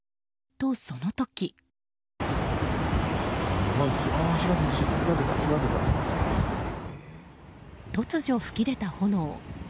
と、その時。突如噴き出た炎。